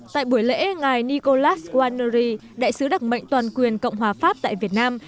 tại buổi lễ ngày nicolas guarneri đại sứ đặc mệnh toàn quyền cộng hòa pháp tại việt nam